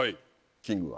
キングは。